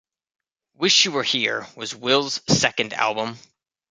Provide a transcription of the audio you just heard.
"Wish You Were Here" was Wills' second album.